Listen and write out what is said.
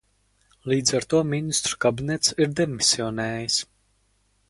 Līdz ar to Ministru kabinets ir demisionējis.